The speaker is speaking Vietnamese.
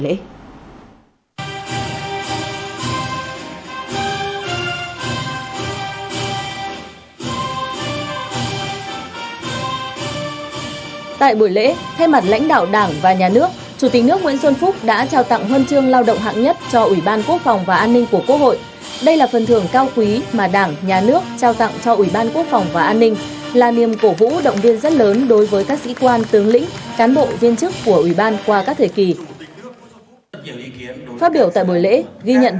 chủ tịch quốc hội chủ tịch nước nguyễn xuân phúc đã trao tặng huân chương lao động hạng nhất cho ủy ban quốc phòng và an ninh của quốc hội đây là phần thưởng cao quý mà đảng nhà nước trao tặng cho ủy ban quốc phòng và an ninh là niềm cổ vũ động viên rất lớn đối với các sĩ quan tướng lĩnh cán bộ viên chức của ủy ban qua các thời kỳ